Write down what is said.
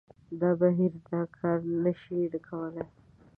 دا بهیر دا کار نه شي کولای